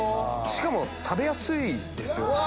しかも食べやすいですよ。